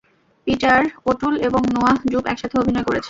Peter O'Toole এবং Noah Jupe একসাথে অভিনয় করেছেন।